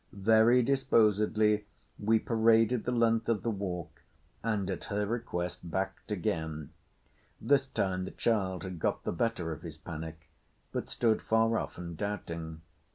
Very disposedly we paraded the length of the walk and at her request backed again. This time the child had got the better of his panic, but stood far off and doubting.